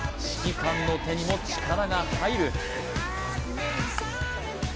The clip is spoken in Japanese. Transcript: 指揮官の手にも力が入る。